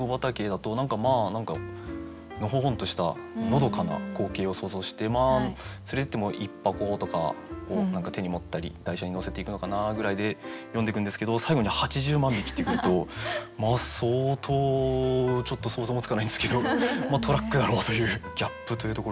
だと何かまあのほほんとしたのどかな光景を想像して連れていっても１箱とかを手に持ったり台車に乗せていくのかなぐらいで読んでくんですけど最後に「８０万匹」ってくると相当ちょっと想像もつかないんですけどトラックだろうというギャップというところですかね。